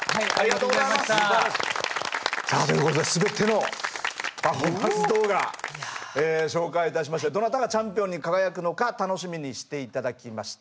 さあということで全てのパフォーマンス動画紹介いたしましてどなたがチャンピオンに輝くのか楽しみにして頂きまして。